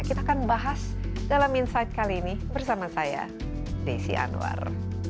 kita akan bahas dalam insight kali ini bersama saya desi anwar